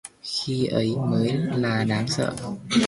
khi ấy mới là đáng sợ